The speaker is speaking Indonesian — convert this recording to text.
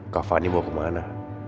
kak fanny mau kemana